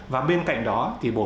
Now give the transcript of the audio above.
và bên cạnh đó thì bổ sung